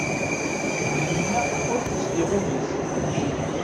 Lḥenna ur tezdiɣ ul-is.